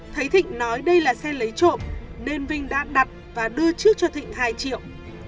thấy thịnh nói đây là xe lấy trộm nên vinh đã đặt và đưa trước cho thịnh hai triệu